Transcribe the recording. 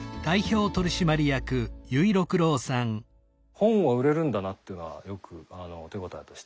本は売れるんだなっていうのはよく手応えとして。